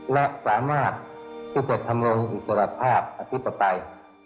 และสามารถที่จะทำลงอิสระภาพอธิปไตย